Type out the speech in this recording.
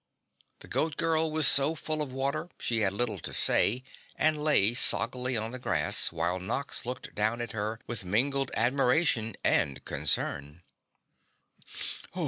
The Goat Girl was so full of water, she had little to say and lay soggily on the grass while Nox looked down at her with mingled admiration and concern.